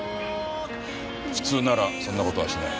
普通ならそんな事はしない。